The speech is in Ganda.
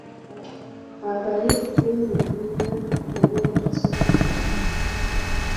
Abayizi beemulugunya olw'obutasomesebwa.